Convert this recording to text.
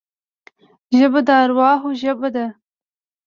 ژبه د ارواحو ژبه ده